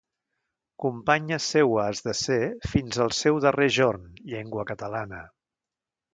Companya seua has de ser fins al seu darrer jorn, llengua catalana.